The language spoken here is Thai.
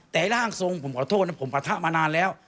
แต่ร่างทรงผมขอโทษนะผมปะทะมานานแล้ว